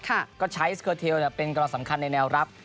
ค่ะก็ใช้สเกอร์เทลเนี่ยเป็นกรณสำคัญในแนวรับ